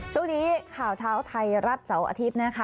ช่วงนี้ข่าวเช้าไทยรัฐเสาร์อาทิตย์นะคะ